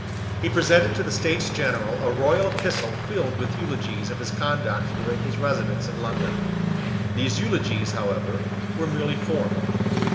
He presented to the States General a royal epistle filled with eulogies of his conduct during his residence in London. These eulogies however were merely formal.